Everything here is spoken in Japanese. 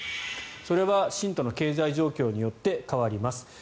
それは信徒の経済状況によって変わります